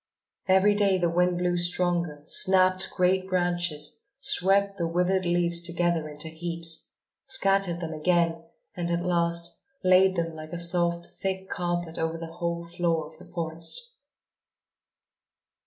Every day the wind blew stronger, snapped great branches, swept the withered leaves together into heaps, scattered them again and, at last, laid them like a soft, thick carpet over the whole floor of the forest.